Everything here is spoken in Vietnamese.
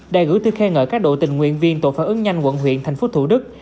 đã gửi thư khen ngợi các đội tình nguyện viên tội phản ứng nhanh quận huyện thành phố thủ đức